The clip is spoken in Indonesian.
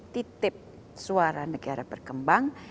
titip suara negara berkembang